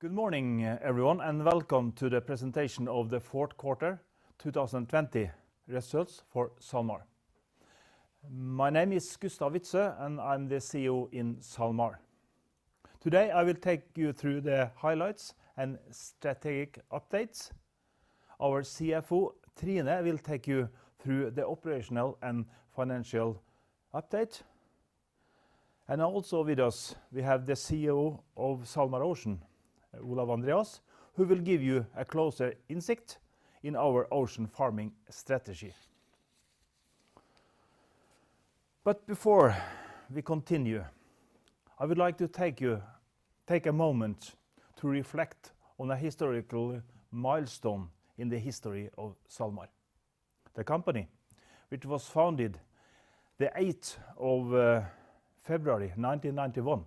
Good morning, everyone, welcome to the presentation of the fourth quarter 2020 results for SalMar. My name is Gustav Witzøe, and I'm the CEO in SalMar. Today, I will take you through the highlights and strategic updates. Our CFO, Trine, will take you through the operational and financial update. Also with us, we have the CEO of SalMar Ocean, Olav-Andreas, who will give you a closer insight in our ocean farming strategy. Before we continue, I would like to take a moment to reflect on a historical milestone in the history of SalMar. The company, which was founded the 8th of February 1991,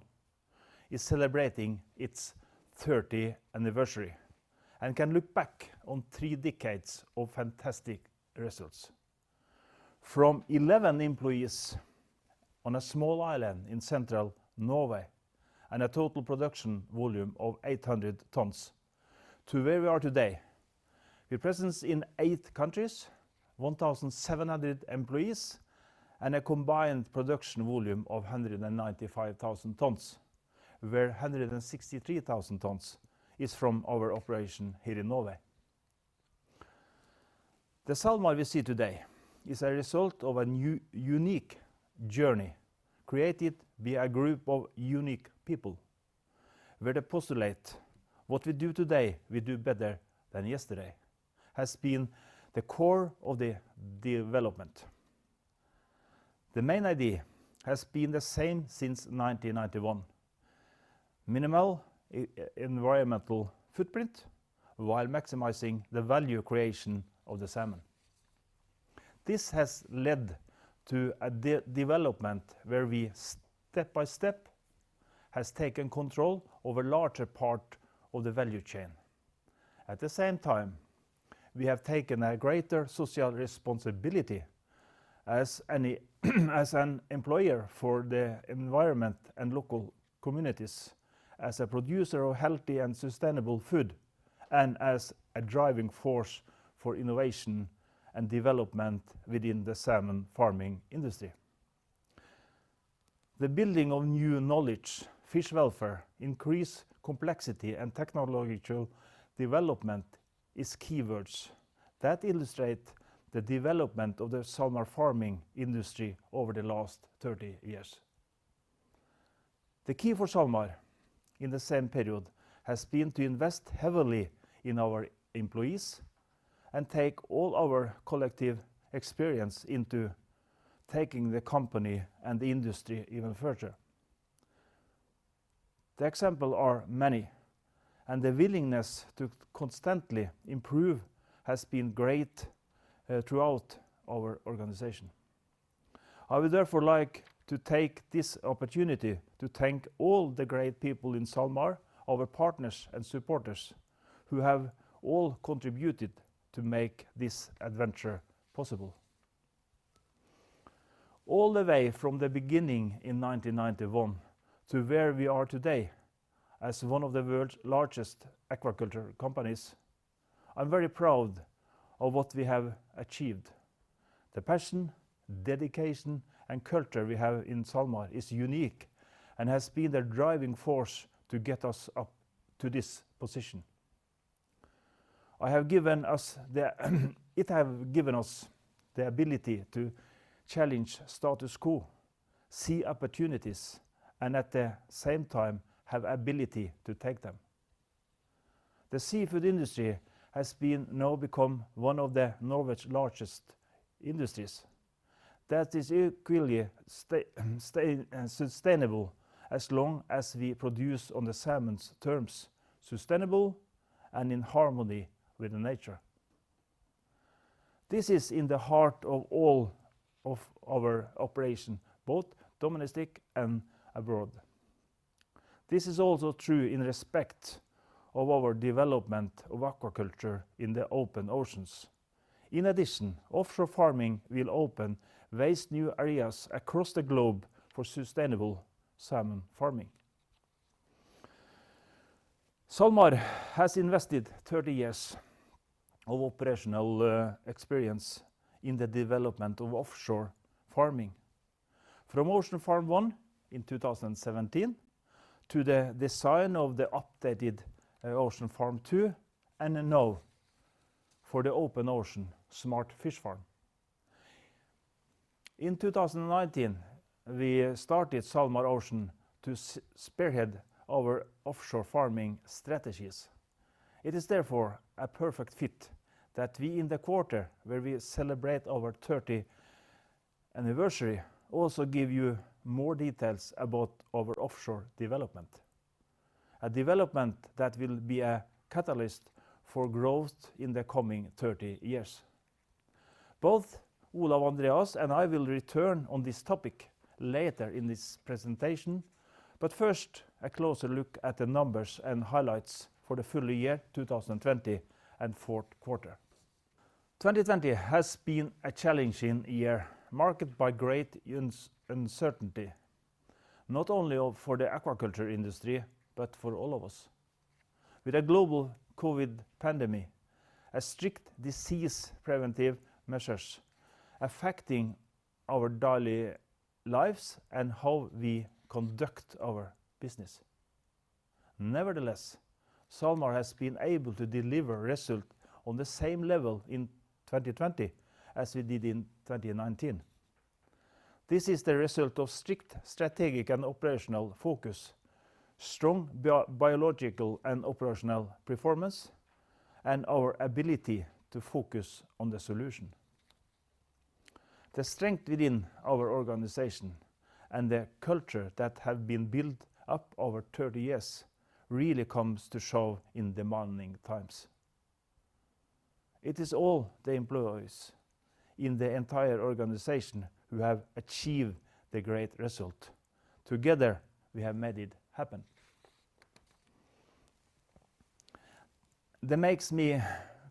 is celebrating its 30 anniversary and can look back on three decades of fantastic results. From 11 employees on a small island in central Norway and a total production volume of 800 tons to where we are today. We are present in eight countries, 1,700 employees, and a combined production volume of 195,000 tons, where 163,000 tons is from our operation here in Norway. The SalMar we see today is a result of a unique journey created by a group of unique people where the postulate, what we do today, we do better than yesterday, has been the core of the development. The main idea has been the same since 1991. Minimal environmental footprint while maximizing the value creation of the salmon. This has led to a development where we step by step have taken control over larger part of the value chain. At the same time, we have taken a greater social responsibility as an employer for the environment and local communities as a producer of healthy and sustainable food and as a driving force for innovation and development within the salmon farming industry. The building of new knowledge, fish welfare, increased complexity, and technological development is keywords that illustrate the development of the SalMar farming industry over the last 30 years. The key for SalMar in the same period has been to invest heavily in our employees and take all our collective experience into taking the company and the industry even further. The examples are many, and the willingness to constantly improve has been great throughout our organization. I would therefore like to take this opportunity to thank all the great people in SalMar, our partners, and supporters who have all contributed to make this adventure possible. All the way from the beginning in 1991 to where we are today as one of the world's largest aquaculture companies, I'm very proud of what we have achieved. The passion, dedication, and culture we have in SalMar is unique and has been the driving force to get us up to this position. It has given us the ability to challenge status quo, see opportunities, and at the same time have ability to take them. The seafood industry has now become one of the Norway's largest industries that is equally sustainable as long as we produce on the salmon's terms, sustainable and in harmony with nature. This is in the heart of all of our operation, both domestic and abroad. This is also true in respect of our development of aquaculture in the open oceans. In addition, offshore farming will open vast new areas across the globe for sustainable salmon farming. SalMar has invested 30 years of operational experience in the development of offshore farming. From Ocean Farm 1 in 2017 to the design of the updated Ocean Farm 2 and now for the open ocean Smart Fish Farm. In 2019, we started SalMar Ocean to spearhead our offshore farming strategies. It is therefore a perfect fit that we in the quarter where we celebrate our 30 anniversary also give you more details about our offshore development, a development that will be a catalyst for growth in the coming 30 years. Both Olav-Andreas and I will return on this topic later in this presentation, but first, a closer look at the numbers and highlights for the full-year 2020 and fourth quarter. 2020 has been a challenging year, marked by great uncertainty, not only for the aquaculture industry, but for all of us. With a global COVID pandemic, strict disease preventive measures affecting our daily lives and how we conduct our business. Nevertheless, SalMar has been able to deliver results on the same level in 2020 as we did in 2019. This is the result of strict strategic and operational focus, strong biological and operational performance, and our ability to focus on the solution. The strength within our organization and the culture that have been built up over 30 years really comes to show in demanding times. It is all the employees in the entire organization who have achieved the great result. Together, we have made it happen. That makes me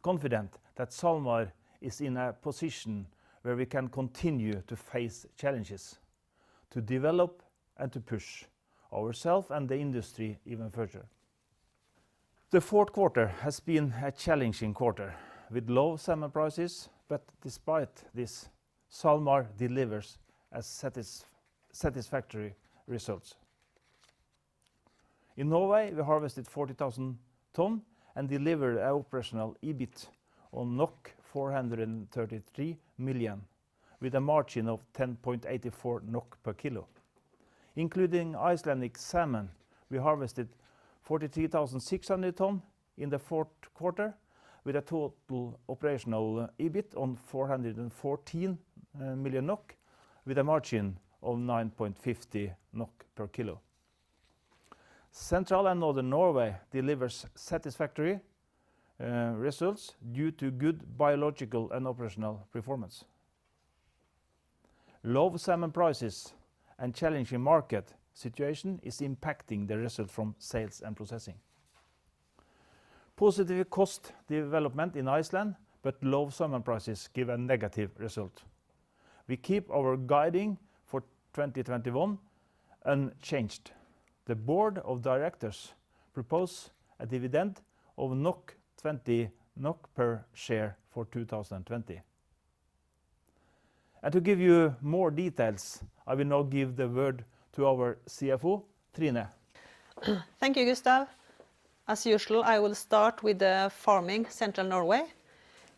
confident that SalMar is in a position where we can continue to face challenges, to develop, and to push ourselves and the industry even further. The fourth quarter has been a challenging quarter, with low salmon prices. Despite this, SalMar delivers a satisfactory result. In Norway, we harvested 40,000 tons and delivered operational EBIT on 433 million, with a margin of 10.84 NOK per kilo. Including Icelandic Salmon, we harvested 43,600 tons in the fourth quarter, with a total operational EBIT on 414 million NOK, with a margin of 9.50 NOK per kilo. Central and Northern Norway delivers satisfactory results due to good biological and operational performance. Low salmon prices and challenging market situation is impacting the result from sales and processing. Positive cost development in Iceland, but low salmon prices give a negative result. We keep our guiding for 2021 unchanged. The board of directors propose a dividend of 20 NOK per share for 2020. To give you more details, I will now give the word to our CFO, Trine. Thank you, Gustav. As usual, I will start with the farming Central Norway.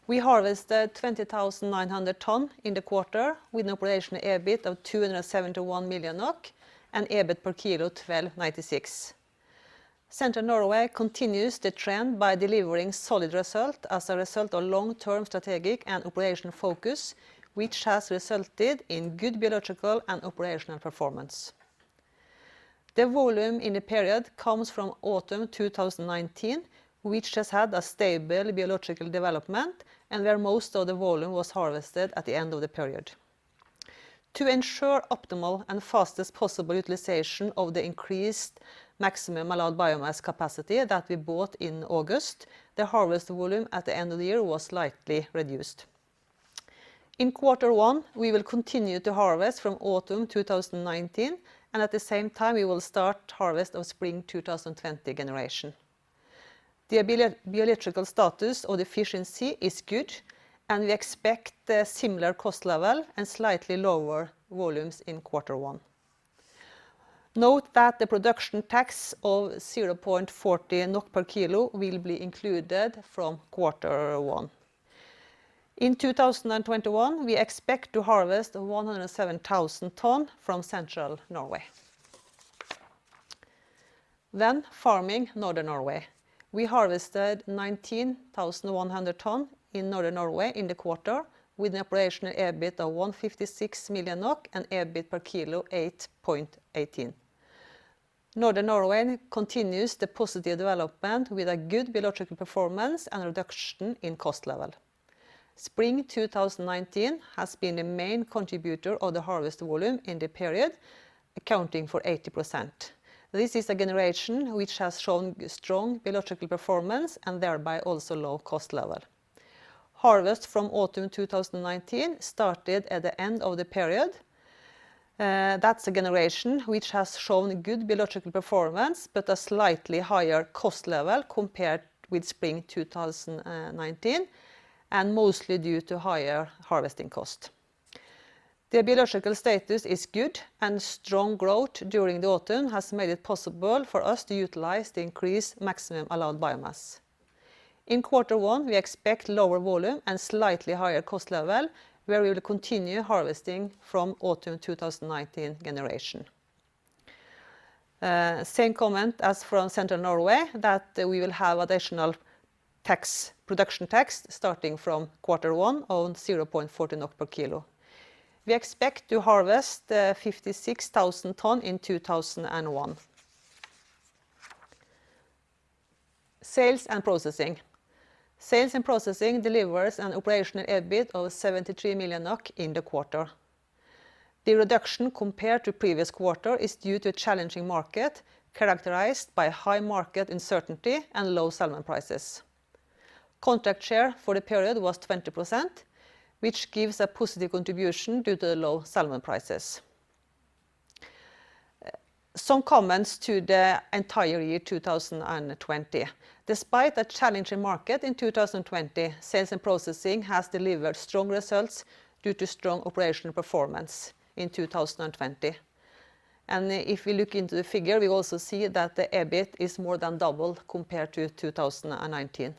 We harvested 20,900 tons in the quarter with an operational EBIT of 271 million NOK and EBIT per kilo 12.96. Central Norway continues the trend by delivering solid result as a result of long-term strategic and operational focus, which has resulted in good biological and operational performance. The volume in the period comes from autumn 2019, which has had a stable biological development and where most of the volume was harvested at the end of the period. To ensure optimal and fastest possible utilization of the increased maximum allowed biomass capacity that we bought in August, the harvest volume at the end of the year was slightly reduced. In Q1, we will continue to harvest from autumn 2019. At the same time, we will start harvest of spring 2020 generation. The biological status or the efficiency is good, and we expect a similar cost level and slightly lower volumes in Q1. Note that the production tax of 0.40 NOK per kilo will be included from Q1. In 2021, we expect to harvest 107,000 tons from Central Norway. Farming Northern Norway. We harvested 19,100 tons in Northern Norway in the quarter with an operational EBIT of 156 million NOK and EBIT per kilo 8.18. Northern Norway continues the positive development with a good biological performance and reduction in cost level. Spring 2019 has been the main contributor of the harvest volume in the period, accounting for 80%. This is a generation which has shown strong biological performance and thereby also low cost level. Harvest from Autumn 2019 started at the end of the period. That's the generation which has shown good biological performance but a slightly higher cost level compared with spring 2019, and mostly due to higher harvesting cost. The biological status is good, and strong growth during the autumn has made it possible for us to utilize the increased maximum allowed biomass. In Q1, we expect lower volume and slightly higher cost level, where we will continue harvesting from autumn 2019 generation. Same comment as from Central Norway that we will have additional production tax starting from Q1 on 0.14 per kilo. We expect to harvest 56,000 tons in 2021. Sales and processing. Sales and processing delivers an operational EBIT of 73 million NOK in the quarter. The reduction compared to previous quarter is due to challenging market characterized by high market uncertainty and low salmon prices. Contract share for the period was 20%, which gives a positive contribution due to the low salmon prices. Some comments to the entire year 2020. Despite a challenging market in 2020, sales and processing has delivered strong results due to strong operational performance in 2020. If we look into the figure, we also see that the EBIT is more than double compared to 2019.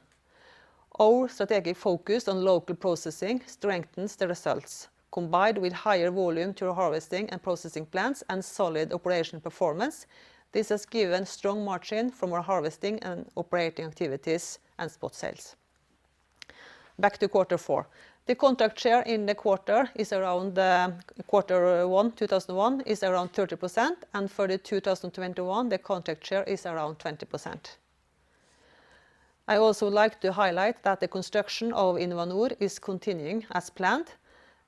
Our strategic focus on local processing strengthens the results. Combined with higher volume through our harvesting and processing plants and solid operational performance, this has given strong margin from our harvesting and operating activities and spot sales. Back to quarter four. The contract share in the quarter one 2021 is around 30%, and for the 2021, the contract share is around 20%. I also like to highlight that the construction of InnovaNor is continuing as planned,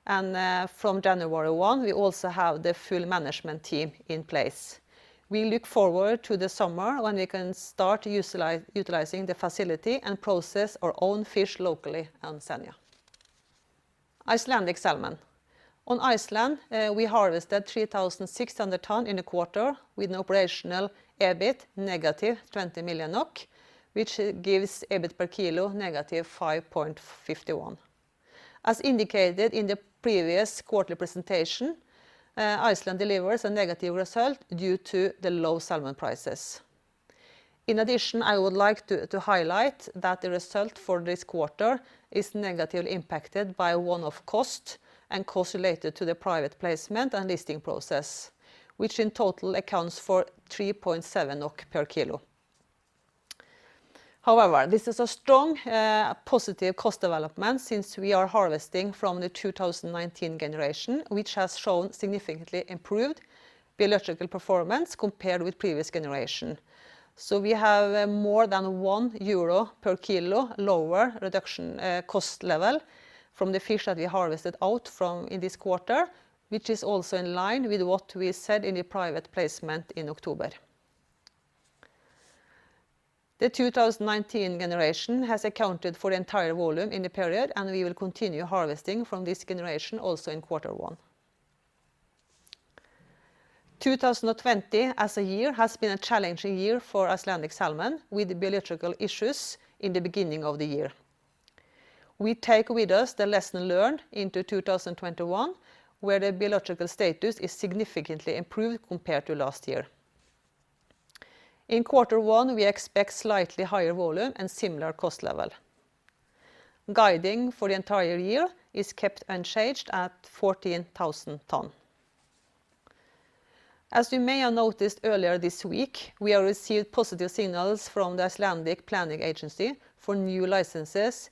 and from January 1, we also have the full management team in place. We look forward to the summer when we can start utilizing the facility and process our own fish locally on Senja. Icelandic Salmon. On Iceland, we harvested 3,600 ton in a quarter with an operational EBIT negative 20 million NOK, which gives EBIT per kilo negative 5.51. As indicated in the previous quarterly presentation, Iceland delivers a negative result due to the low salmon prices. In addition, I would like to highlight that the result for this quarter is negatively impacted by one-off cost and costs related to the private placement and listing process, which in total accounts for 3.7 per kilo. However, this is a strong positive cost development since we are harvesting from the 2019 generation, which has shown significantly improved biological performance compared with previous generation. We have more than 1 euro per kilo lower reduction cost level from the fish that we harvested out from in this quarter, which is also in line with what we said in the private placement in October. The 2019 generation has accounted for the entire volume in the period, and we will continue harvesting from this generation also in quarter one. 2020 as a year has been a challenging year for Icelandic Salmon with the biological issues in the beginning of the year. We take with us the lesson learned into 2021, where the biological status is significantly improved compared to last year. In quarter one, we expect slightly higher volume and similar cost level. Guiding for the entire year is kept unchanged at 14,000 tons. As you may have noticed earlier this week, we have received positive signals from the National Planning Agency for new licenses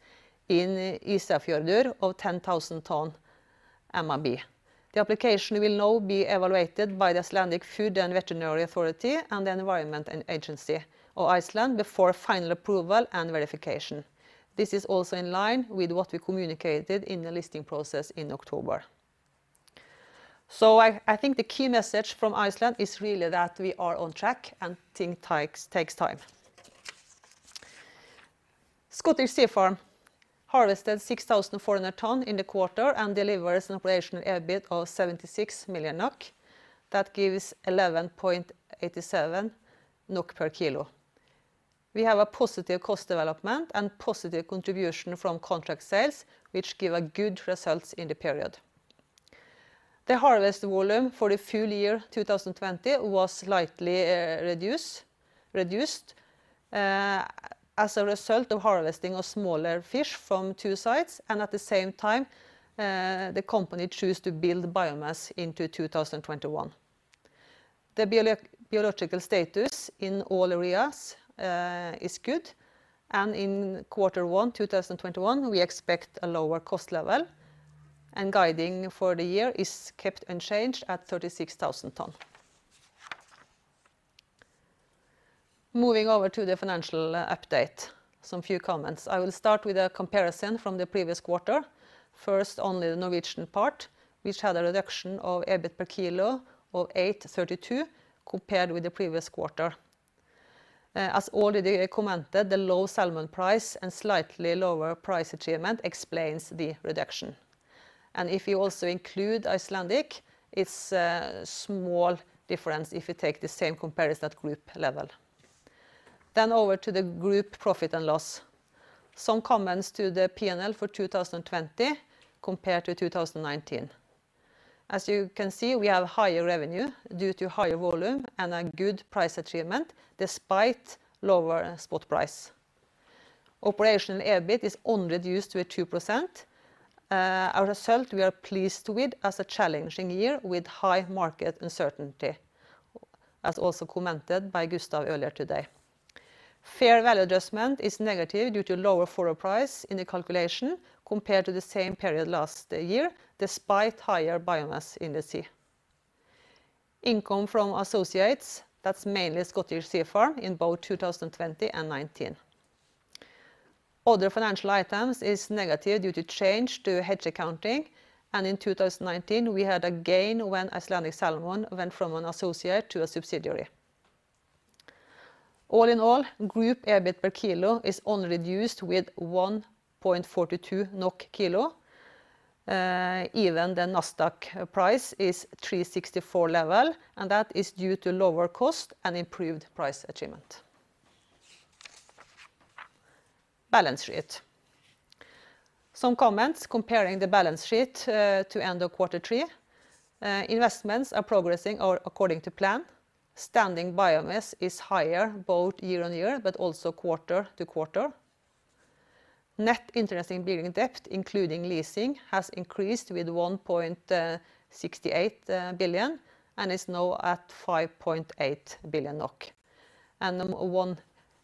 in Ísafjörður of 10,000 tons MIB. The application will now be evaluated by the Icelandic Food and Veterinary Authority and the Environment Agency of Iceland before final approval and verification. This is also in line with what we communicated in the listing process in October. I think the key message from Iceland is really that we are on track and things takes time. Scottish Sea Farms harvested 6,400 tons in the quarter and delivers an operational EBIT of 76 million NOK. That gives 11.87 NOK per kilo. We have a positive cost development and positive contribution from contract sales, which give a good results in the period. The harvest volume for the full-year 2020 was slightly reduced as a result of harvesting of smaller fish from two sites and at the same time, the company choose to build biomass into 2021. The biological status in all areas is good, in quarter one 2021, we expect a lower cost level and guiding for the year is kept unchanged at 36,000 tons. Moving over to the financial update. Some few comments. I will start with a comparison from the previous quarter. First, only the Norwegian part, which had a reduction of EBIT per kilo of 8.32 compared with the previous quarter. As already commented, the low salmon price and slightly lower price achievement explains the reduction. If you also include Icelandic, it's a small difference if you take the same comparison at group level. Over to the group profit and loss. Some comments to the P&L for 2020 compared to 2019. As you can see, we have higher revenue due to higher volume and a good price achievement despite lower spot price. Operational EBIT is only reduced with 2%, a result we are pleased with as a challenging year with high market uncertainty, as also commented by Gustav earlier today. Fair value adjustment is negative due to lower forward price in the calculation compared to the same period last year, despite higher biomass in the sea. Income from associates, that's mainly Scottish Sea Farms in both 2020 and 2019. Other financial items is negative due to change to hedge accounting. In 2019, we had a gain when Icelandic Salmon went from an associate to a subsidiary. All in all, group EBIT per kilo is only reduced with 1.42 NOK kilo, even the Nasdaq price is 364 level. That is due to lower cost and improved price achievement. Balance sheet. Some comments comparing the balance sheet to end of quarter three. Investments are progressing according to plan. Standing biomass is higher both year-over-year, but also quarter-over-quarter. Net interest-bearing debt, including leasing, has increased with 1.68 billion and is now at 5.8 billion NOK. One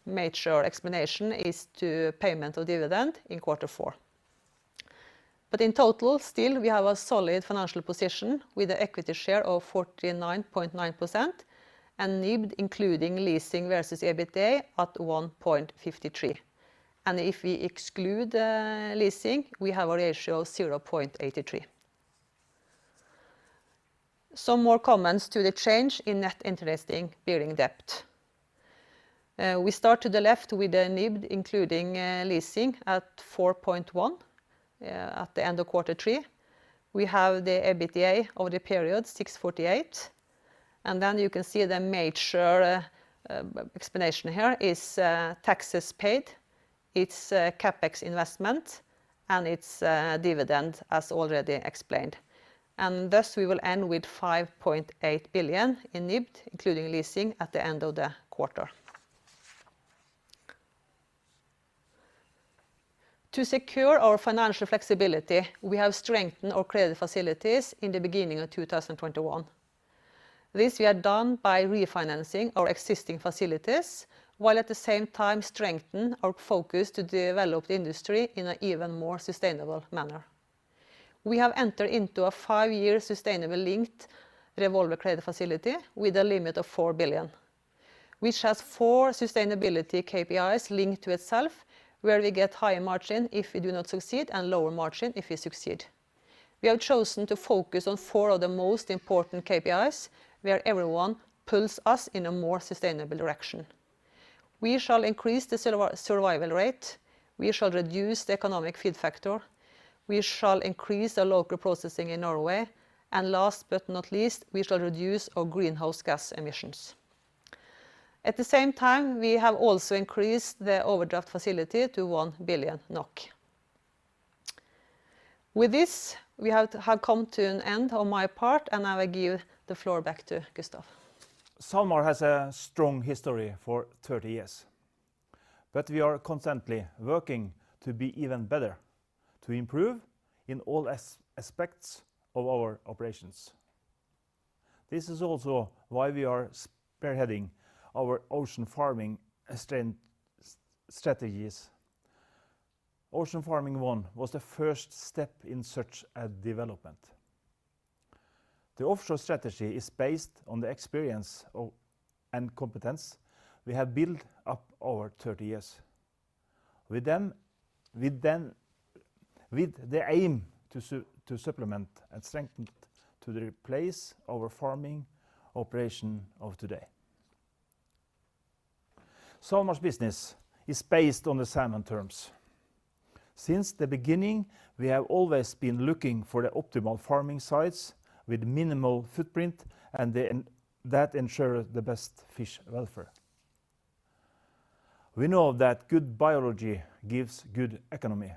major explanation is to payment of dividend in quarter four. In total, still, we have a solid financial position with the equity share of 49.9% and NIBD, including leasing versus EBITDA at 1.53. If we exclude leasing, we have a ratio of 0.83. Some more comments to the change in net interest-bearing debt. We start to the left with the NIBD, including leasing at 4.1 billion at the end of quarter three. We have the EBITDA over the period, 648 million. You can see the major explanation here is taxes paid, it's CapEx investment, and it's dividend as already explained. We will end with 5.8 billion in NIBD, including leasing at the end of the quarter. To secure our financial flexibility, we have strengthened our credit facilities in the beginning of 2021. This we had done by refinancing our existing facilities, while at the same time strengthen our focus to develop the industry in an even more sustainable manner. We have entered into a five-year sustainability-linked revolving credit facility with a limit of 4 billion, which has four sustainability KPIs linked to itself, where we get higher margin if we do not succeed and lower margin if we succeed. We have chosen to focus on four of the most important KPIs, where everyone pulls us in a more sustainable direction. We shall increase the survival rate, we shall reduce the economic feed factor, we shall increase our local processing in Norway, and last but not least, we shall reduce our greenhouse gas emissions. At the same time, we have also increased the overdraft facility to 1 billion NOK. With this, we have come to an end on my part, and I will give the floor back to Gustav. SalMar has a strong history for 30 years. We are constantly working to be even better, to improve in all aspects of our operations. This is also why we are spearheading our ocean farming strategies. Ocean Farm 1 was the first step in such a development. The offshore strategy is based on the experience and competence we have built up over 30 years. With the aim to supplement and strengthen, to replace our farming operation of today. SalMar's business is based on the Atlantic salmon. Since the beginning, we have always been looking for the optimal farming sites with minimal footprint and that ensure the best fish welfare. We know that good biology gives good economy,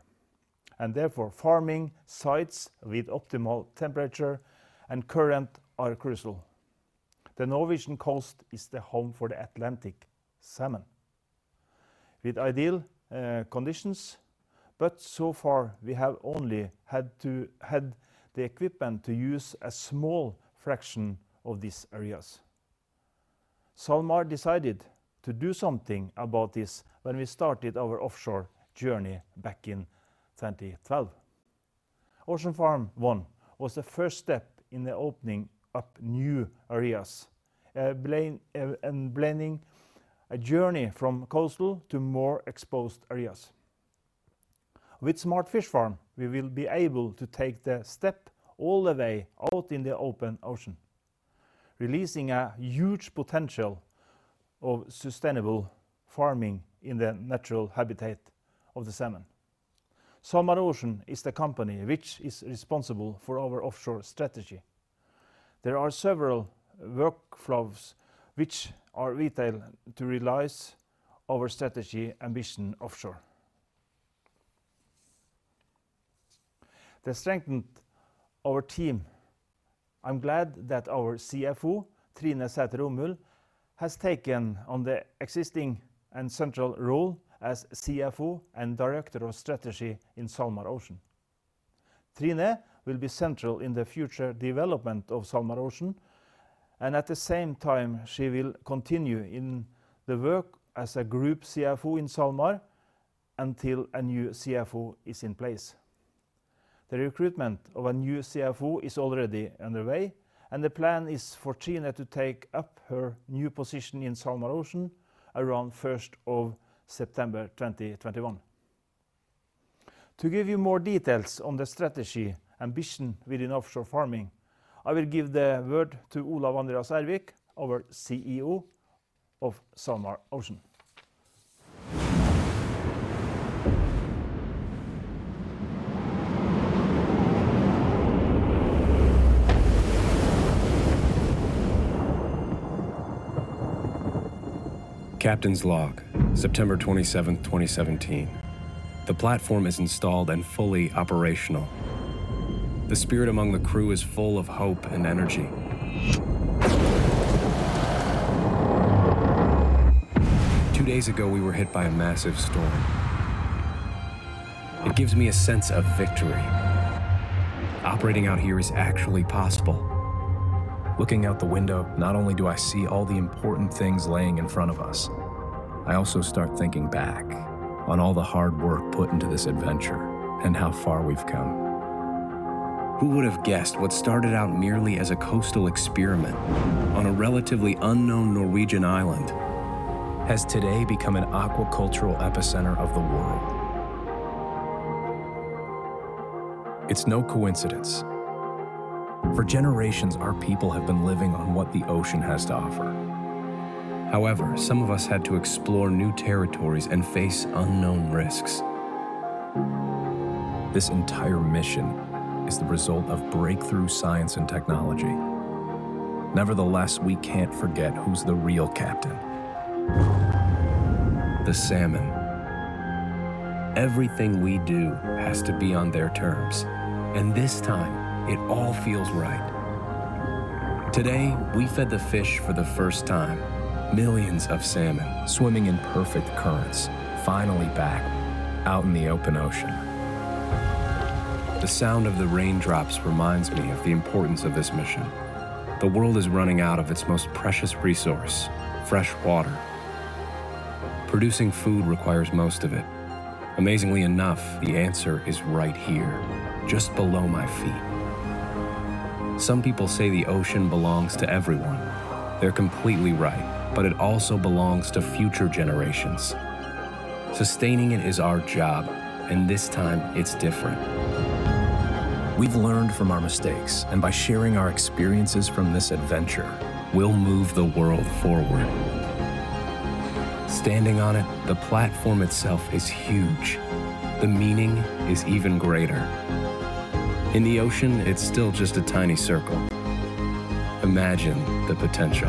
and therefore farming sites with optimal temperature and current are crucial. The Norwegian coast is the home for the Atlantic salmon with ideal conditions, but so far we have only had the equipment to use a small fraction of these areas. SalMar decided to do something about this when we started our offshore journey back in 2012. Ocean Farm 1 was the first step in the opening up new areas and planning a journey from coastal to more exposed areas. With Smart Fish Farm, we will be able to take the step all the way out in the open ocean, releasing a huge potential of sustainable farming in the natural habitat of the salmon. SalMar Ocean is the company which is responsible for our offshore strategy. There are several workflows which are vital to realize our strategy ambition offshore. To strengthen our team, I'm glad that our CFO, Trine Sæther Romuld, has taken on the existing and central role as CFO and Director of Strategy in SalMar Ocean. Trine will be central in the future development of SalMar Ocean, and at the same time, she will continue in the work as a Group CFO in SalMar until a new CFO is in place. The recruitment of a new CFO is already underway, and the plan is for Trine to take up her new position in SalMar Ocean around first of September 2021. To give you more details on the strategy ambition within offshore farming, I will give the word to Olav-Andreas Ervik, our CEO of SalMar Ocean. Captain's log, September 27th, 2017. The platform is installed and fully operational. The spirit among the crew is full of hope and energy. Two days ago, we were hit by a massive storm. It gives me a sense of victory. Operating out here is actually possible. Looking out the window, not only do I see all the important things laying in front of us, I also start thinking back on all the hard work put into this adventure and how far we've come. Who would have guessed what started out merely as a coastal experiment on a relatively unknown Norwegian island has today become an aquacultural epicenter of the world. It's no coincidence. For generations, our people have been living on what the ocean has to offer. However, some of us had to explore new territories and face unknown risks. This entire mission is the result of breakthrough science and technology. Nevertheless, we can't forget who's the real captain. The salmon. Everything we do has to be on their terms. This time, it all feels right. Today, we fed the fish for the first time. Millions of salmon swimming in perfect currents, finally back out in the open ocean. The sound of the raindrops reminds me of the importance of this mission. The world is running out of its most precious resource: fresh water. Producing food requires most of it. Amazingly enough, the answer is right here, just below my feet. Some people say the ocean belongs to everyone. They're completely right, but it also belongs to future generations. Sustaining it is our job, and this time it's different. We've learned from our mistakes. By sharing our experiences from this adventure, we'll move the world forward. Standing on it, the platform itself is huge. The meaning is even greater. In the ocean, it's still just a tiny circle. Imagine the potential.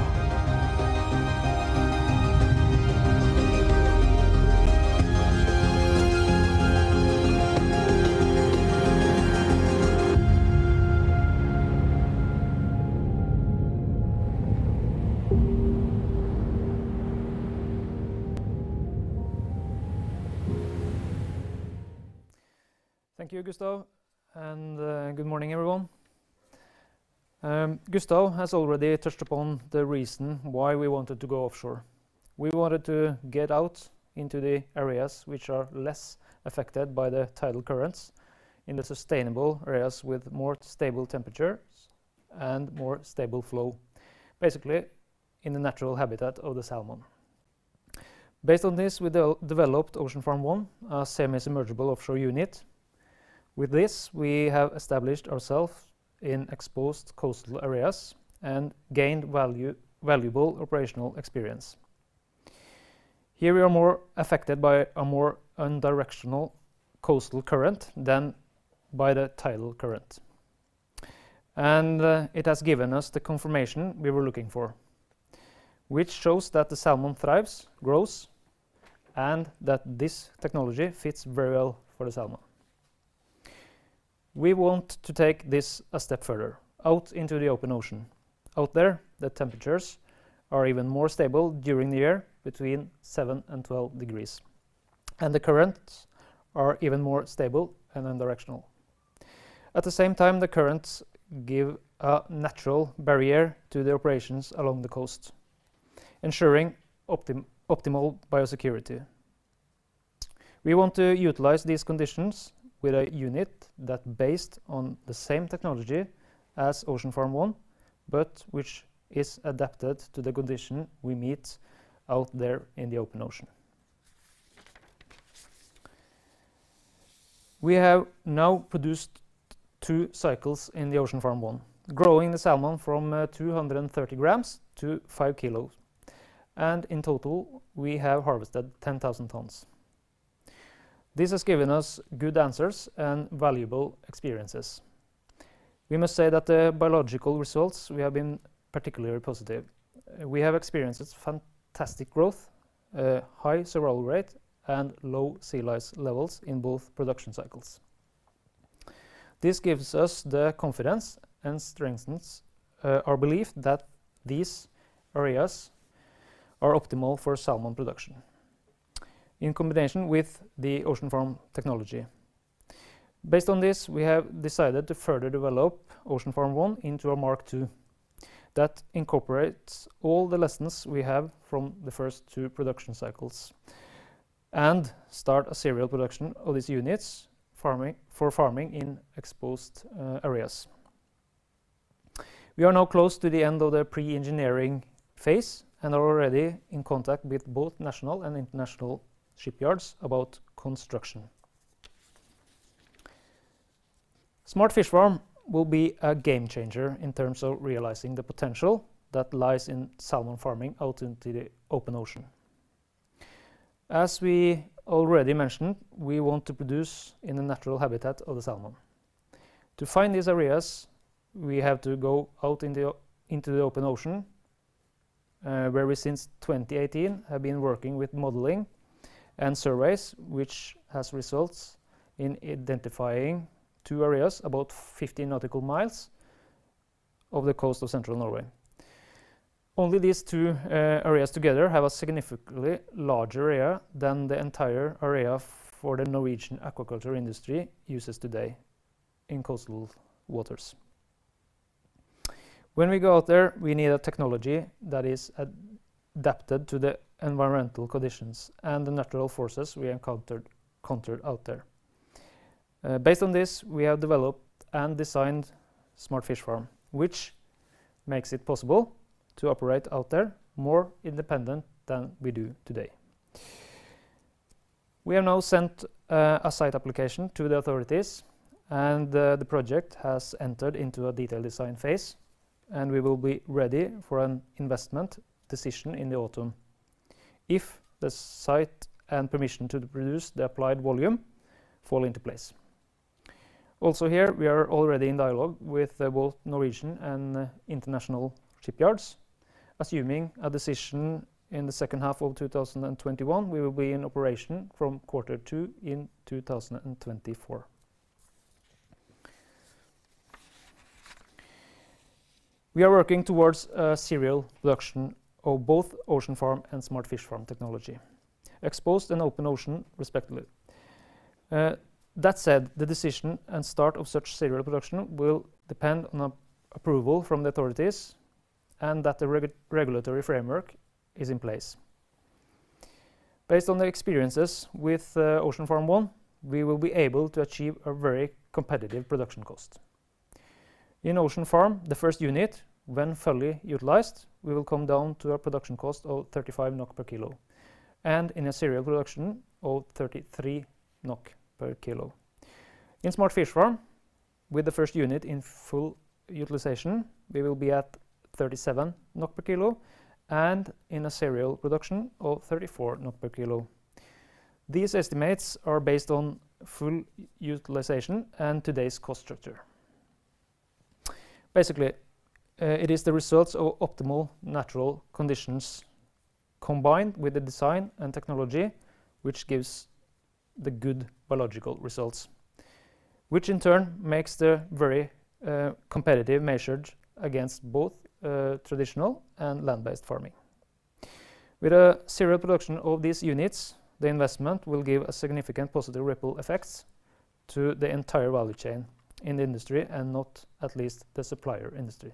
Thank you, Gustav, and good morning, everyone. Gustav has already touched upon the reason why we wanted to go offshore. We wanted to get out into the areas which are less affected by the tidal currents in the sustainable areas with more stable temperatures and more stable flow, basically in the natural habitat of the salmon. Based on this, we developed Ocean Farm 1, a semi-submersible offshore unit. With this, we have established ourselves in exposed coastal areas and gained valuable operational experience. Here we are more affected by a more unidirectional coastal current than by the tidal current. It has given us the confirmation we were looking for, which shows that the salmon thrives, grows, and that this technology fits very well for the salmon. We want to take this a step further out into the open ocean. Out there, the temperatures are even more stable during the year between seven and 12 degrees, and the currents are even more stable and unidirectional. At the same time, the currents give a natural barrier to the operations along the coast, ensuring optimal biosecurity. We want to utilize these conditions with a unit that based on the same technology as Ocean Farm 1, but which is adapted to the condition we meet out there in the open ocean. We have now produced two cycles in the Ocean Farm 1, growing the salmon from 230 grams to five kilos, and in total, we have harvested 10,000 tons. This has given us good answers and valuable experiences. We must say that the biological results have been particularly positive. We have experienced fantastic growth, a high survival rate, and low sea lice levels in both production cycles. This gives us the confidence and strengthens our belief that these areas are optimal for salmon production in combination with the Ocean Farm technology. Based on this, we have decided to further develop Ocean Farm 1 into a Mark II. That incorporates all the lessons we have from the first two production cycles and start a serial production of these units for farming in exposed areas. We are now close to the end of the pre-engineering phase and are already in contact with both national and international shipyards about construction. Smart Fish Farm will be a game changer in terms of realizing the potential that lies in salmon farming out into the open ocean. As we already mentioned, we want to produce in the natural habitat of the salmon. To find these areas, we have to go out into the open ocean, where we, since 2018, have been working with modeling and surveys, which has resulted in identifying two areas about 50 nautical miles off the coast of central Norway. Only these two areas together have a significantly larger area than the entire area for the Norwegian aquaculture industry uses today in coastal waters. When we go out there, we need a technology that is adapted to the environmental conditions and the natural forces we encounter out there. Based on this, we have developed and designed Smart Fish Farm, which makes it possible to operate out there more independent than we do today. We have now sent a site application to the authorities, and the project has entered into a detailed design phase, and we will be ready for an investment decision in the autumn if the site and permission to produce the applied volume fall into place. Also here, we are already in dialogue with both Norwegian and international shipyards. Assuming a decision in the second half of 2021, we will be in operation from quarter two in 2024. We are working towards serial production of both Ocean Farm and Smart Fish Farm technology, exposed and open ocean respectively. That said, the decision and start of such serial production will depend on approval from the authorities and that the regulatory framework is in place. Based on the experiences with Ocean Farm 1, we will be able to achieve a very competitive production cost. In Ocean Farm, the first unit, when fully utilized, we will come down to a production cost of 35 NOK per kilo, and in a serial production of 33 NOK per kilo. In Smart Fish Farm, with the first unit in full utilization, we will be at 37 NOK per kilo, and in a serial production of 34 NOK per kilo. These estimates are based on full utilization and today's cost structure. It is the results of optimal natural conditions combined with the design and technology, which gives the good biological results, which in turn makes the very competitive measured against both traditional and land-based farming. With a serial production of these units, the investment will give a significant positive ripple effects to the entire value chain in the industry and not least the supplier industry.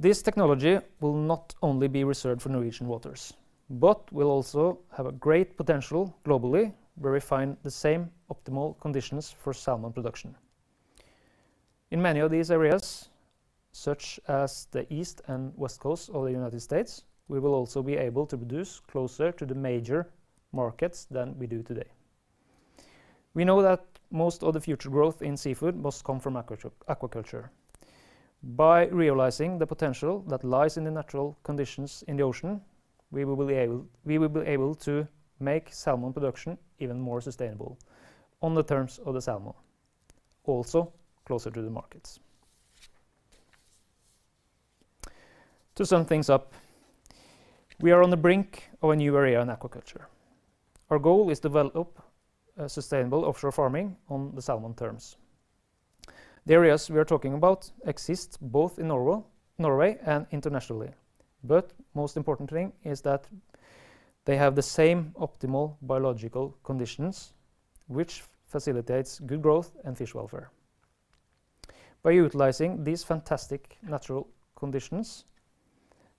This technology will not only be reserved for Norwegian waters, but will also have a great potential globally where we find the same optimal conditions for salmon production. In many of these areas, such as the East and West Coast of the U.S., we will also be able to produce closer to the major markets than we do today. We know that most of the future growth in seafood must come from aquaculture. By realizing the potential that lies in the natural conditions in the ocean, we will be able to make salmon production even more sustainable on the terms of the salmon, also closer to the markets. To sum things up, we are on the brink of a new era in aquaculture. Our goal is to develop a sustainable offshore farming on the salmon terms. The areas we are talking about exist both in Norway and internationally. Most importantly is that they have the same optimal biological conditions, which facilitates good growth and fish welfare. By utilizing these fantastic natural conditions,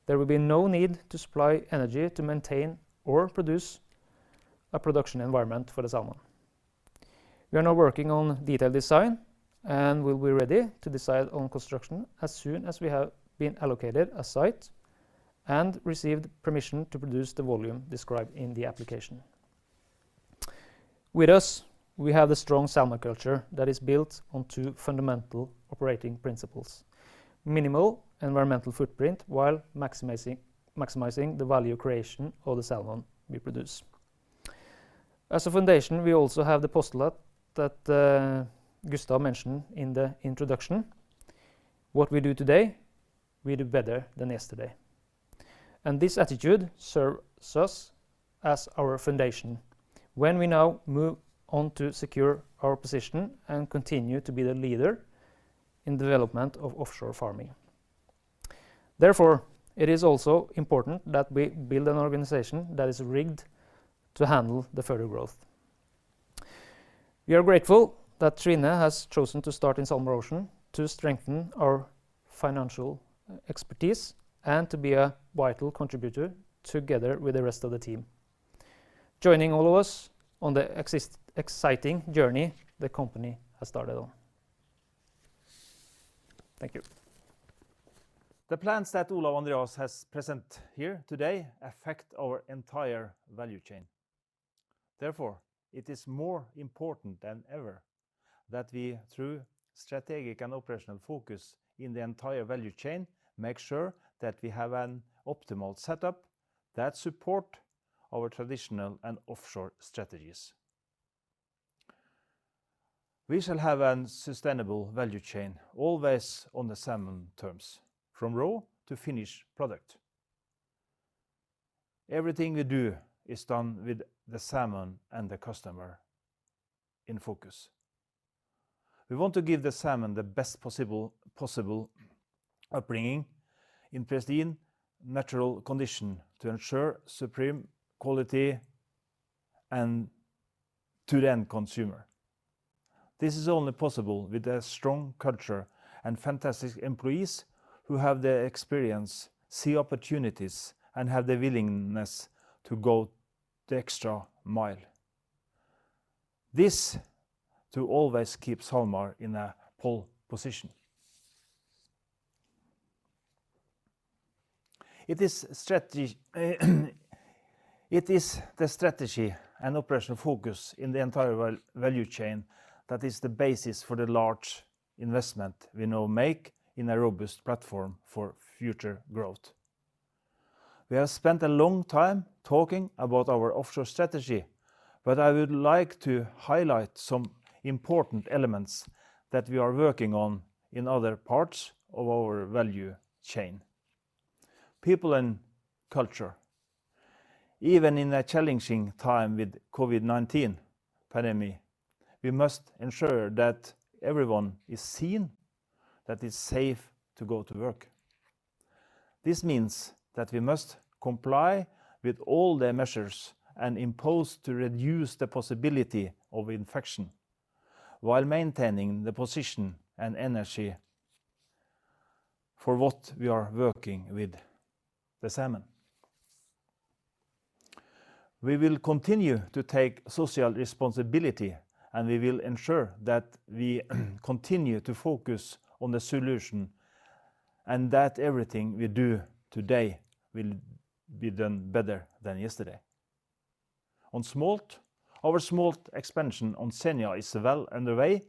there will be no need to supply energy to maintain or produce a production environment for the salmon. We are now working on detailed design and we'll be ready to decide on construction as soon as we have been allocated a site and received permission to produce the volume described in the application. With us, we have a strong salmon culture that is built on two fundamental operating principles: minimal environmental footprint while maximizing the value creation of the salmon we produce. As a foundation, we also have the postulate that Gustav mentioned in the introduction. What we do today, we do better than yesterday. This attitude serves us as our foundation when we now move on to secure our position and continue to be the leader in development of offshore farming. Therefore, it is also important that we build an organization that is rigged to handle the further growth. We are grateful that Trine has chosen to start in SalMar Ocean to strengthen our financial expertise and to be a vital contributor together with the rest of the team, joining all of us on the exciting journey the company has started on. Thank you. The plans that Olav-Andreas has presented here today affect our entire value chain. Therefore, it is more important than ever that we, through strategic and operational focus in the entire value chain, make sure that we have an optimal setup that supports our traditional and offshore strategies. We shall have a sustainable value chain always on the salmon terms, from raw to finished product. Everything we do is done with the salmon and the customer in focus. We want to give the salmon the best possible upbringing in pristine natural conditions to ensure supreme quality to the end consumer. This is only possible with a strong culture and fantastic employees who have the experience, see opportunities, and have the willingness to go the extra mile. This to always keep SalMar in a pole position. It is the strategy and operational focus in the entire value chain that is the basis for the large investment we now make in a robust platform for future growth. We have spent a long time talking about our offshore strategy, but I would like to highlight some important elements that we are working on in other parts of our value chain. People and culture. Even in a challenging time with COVID-19 pandemic, we must ensure that everyone is seen, that it's safe to go to work. This means that we must comply with all the measures and impose to reduce the possibility of infection while maintaining the position and energy for what we are working with the salmon. We will continue to take social responsibility, and we will ensure that we continue to focus on the solution and that everything we do today will be done better than yesterday. On smolt. Our smolt expansion on Senja is well underway,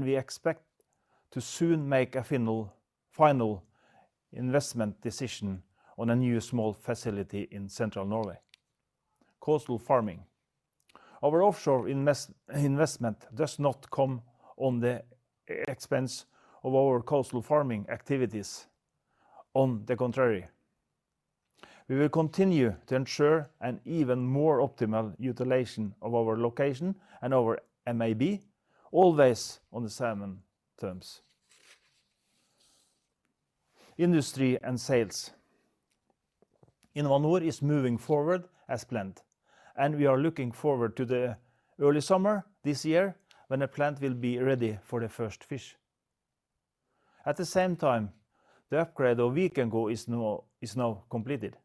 we expect to soon make a final investment decision on a new smolt facility in central Norway. Coastal farming. Our offshore investment does not come at the expense of our coastal farming activities. On the contrary, we will continue to ensure an even more optimal utilization of our location and our MAB, always on the salmon terms. Industry and sales. InnovaNor is moving forward as planned, we are looking forward to the early summer this year when the plant will be ready for the first fish. At the same time, the upgrade of Vikenco is now completed.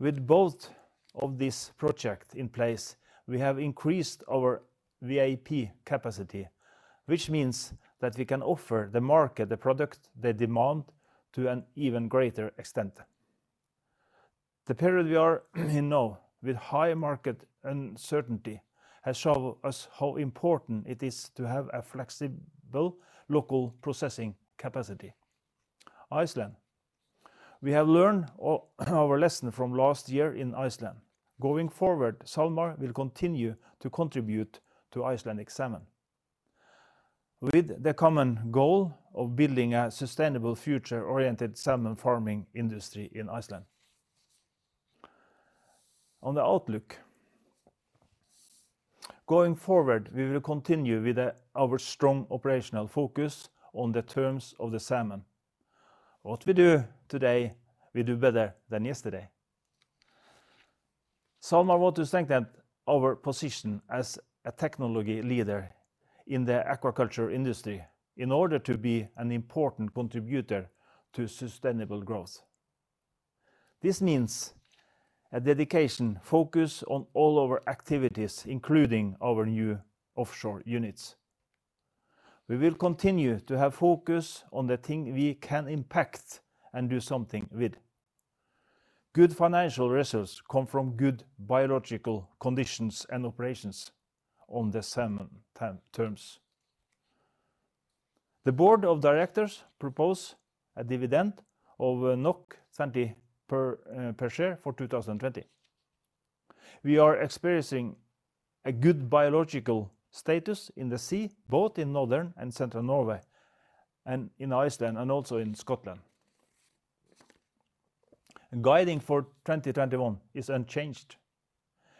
With both of these projects in place, we have increased our VAP capacity, which means that we can offer the market the product they demand to an even greater extent. The period we are in now with high market uncertainty has shown us how important it is to have a flexible local processing capacity. Iceland. We have learned our lesson from last year in Iceland. Going forward, SalMar will continue to contribute to Icelandic Salmon, with the common goal of building a sustainable future-oriented salmon farming industry in Iceland. On the outlook. Going forward, we will continue with our strong operational focus on the terms of the salmon. What we do today, we do better than yesterday. SalMar wants to strengthen our position as a technology leader in the aquaculture industry in order to be an important contributor to sustainable growth. This means a dedication focus on all our activities, including our new offshore units. We will continue to have focus on the things we can impact and do something with. Good financial results come from good biological conditions and operations on the salmon terms. The board of directors propose a dividend of 20 per share for 2020. We are experiencing a good biological status in the sea, both in northern and central Norway and in Iceland and also in Scotland. Guiding for 2021 is unchanged.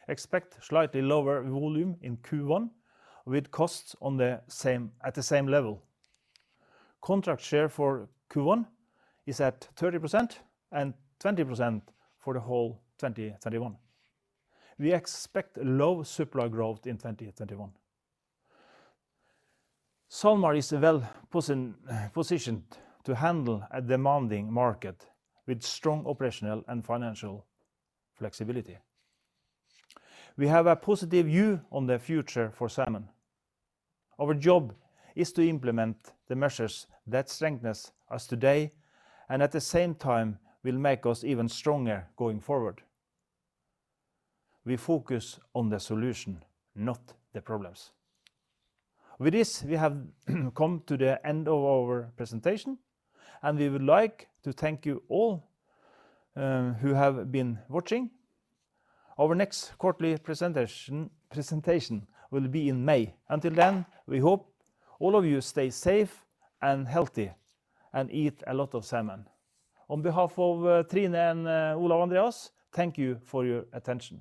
Expect slightly lower volume in Q1 with costs at the same level. Contract share for Q1 is at 30% and 20% for the whole 2021. We expect low supply growth in 2021. SalMar is well positioned to handle a demanding market with strong operational and financial flexibility. We have a positive view on the future for salmon. Our job is to implement the measures that strengthen us today and at the same time will make us even stronger going forward. We focus on the solution, not the problems. With this, we have come to the end of our presentation, and we would like to thank you all who have been watching. Our next quarterly presentation will be in May. Until then, we hope all of you stay safe and healthy and eat a lot of salmon. On behalf of Trine and Olav-Andreas, thank you for your attention.